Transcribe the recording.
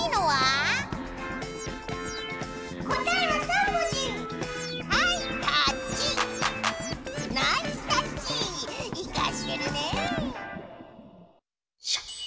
はい。